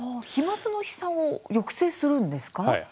飛まつの飛散を抑制するんですか？